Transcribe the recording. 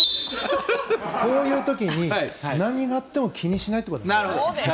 こういう時に何があっても気にしないってことです。